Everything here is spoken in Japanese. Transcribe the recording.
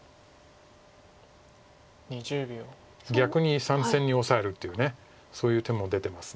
逆に３線にオサえるというそういう手も出てます。